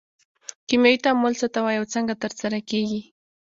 کیمیاوي تعامل څه ته وایي او څنګه ترسره کیږي